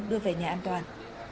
đưa về nhà an toàn